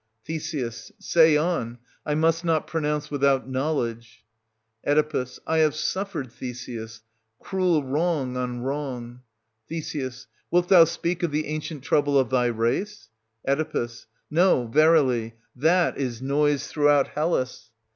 Th. Say on : I must not pronounce without know ledge. Oe. I have suffered, Theseus, cruel wrong on wrong. Th. Wilt thou speak of the ancient trouble of thy race } Oe. No, verily : that is noised throughout Hellas.